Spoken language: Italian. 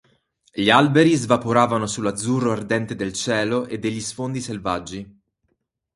Gli alberi svaporavano sull'azzurro ardente del cielo e degli sfondi selvaggi.